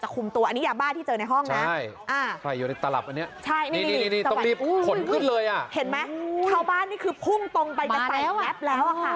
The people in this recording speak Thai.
เข้าบ้านนี่คือพุ่งตรงไปกับใส่แล็ปแล้วอ่ะค่ะ